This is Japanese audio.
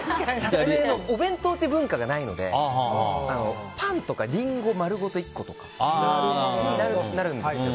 お弁当っていう文化がないのでパンとかリンゴ丸ごと１個とかになるんですよ。